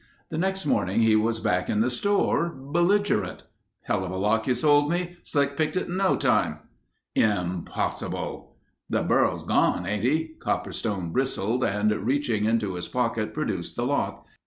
The next morning he was back in the store, belligerent. "Helluva lock you sold me. Slick picked it in no time." "Impossible." "The burro's gone, ain't he?" Copperstain bristled, and reaching into his pocket, produced the lock.